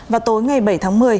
và tối ngày bảy tháng một mươi